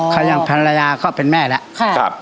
คงอยากทรัลยาเขาเป็นแม่แล้ว